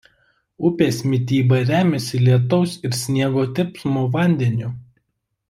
Upės mityba remiasi lietaus ir sniego tirpsmo vandeniu.